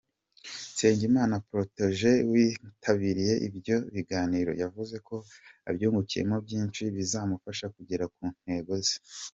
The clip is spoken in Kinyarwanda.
Nsengimana Protogène witabiriye ibyo biganiro, yavuze ko abyungukiyemo byinshi bizamufasha kugera ku ntego ze.